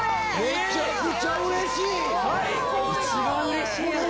めちゃくちゃうれしい！